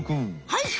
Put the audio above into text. はい！